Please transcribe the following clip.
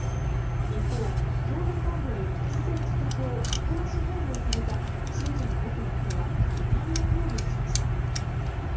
一方、教団幹部に突然自宅をアポなし訪問された信者の元夫が怒りの抗議をしました。